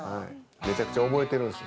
めちゃくちゃ覚えてるんです。